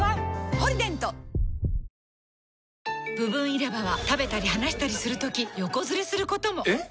「ポリデント」部分入れ歯は食べたり話したりするとき横ずれすることも！えっ！？